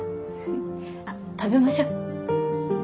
あ食べましょう。